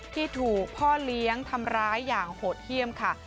ที่ถูกพ่อเลี้ยงทำร้ายอย่างโหดเยี่ยมค่ะ